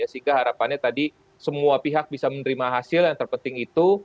sehingga harapannya tadi semua pihak bisa menerima hasil yang terpenting itu